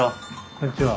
こんにちは。